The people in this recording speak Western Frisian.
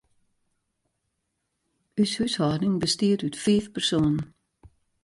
Us húshâlding bestiet út fiif persoanen.